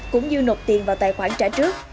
cũng như nộp tiền vào tài khoản trả trước